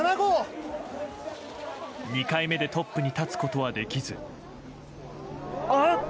２回目でトップに立つことはできず。